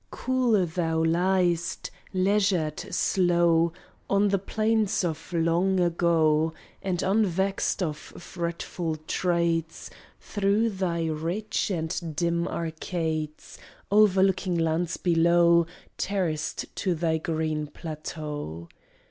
Cool thou liest, leisured, slow, On the plains of long ago, All unvexed of fretful trades Through thy rich and dim arcades, Overlooking lands below Terraced to thy green plateau.